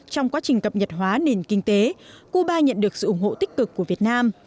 trong quá trình cập nhật hóa nền kinh tế cuba nhận được sự ủng hộ tích cực của việt nam